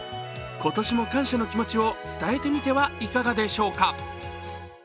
今年も感謝の気持ちを伝えてみてはいかがでしょうか？